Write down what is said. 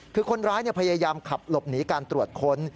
คือคนร้ายพยายามขับหลบหนีการตรวจค้น